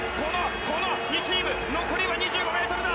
この２チーム、残りは２５ｍだ。